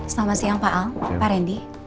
selamat siang pak ang pak randy